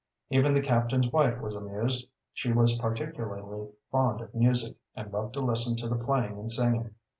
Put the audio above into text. Even the captain's wife was amused. She was particularly fond of music, and loved to listen to the playing and singing.